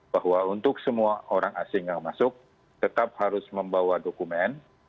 bahwa untuk semua orang asing yang masuk tetap harus membawa dokumen